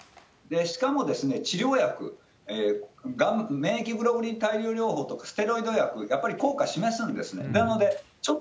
しかも治療薬、免疫グロブリン対応療法とか、ステロイド薬、やっぱり効果示すんですね。